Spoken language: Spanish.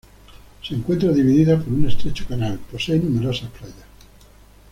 Se encuentra dividida por un estrecho canal, posee numerosas playas.